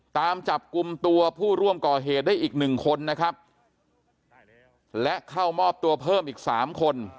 ตามจับกลุ่มตัวผู้ร่วมก่อเหตุได้อีกหนึ่งคนนะครับและเข้ามอบตัวเพิ่มอีกสามคน